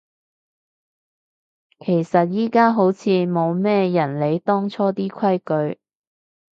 其實而家好似冇咩人理當初啲規矩